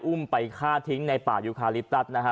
อุ้มไปฆ่าทิ้งในป่ายูคาลิปตัสนะฮะ